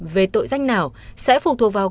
về tội danh nào sẽ phụ thuộc vào